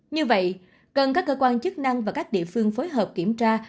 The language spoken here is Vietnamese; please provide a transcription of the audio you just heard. như vậy cần các cơ quan chức năng và các địa phương phối hợp kiểm tra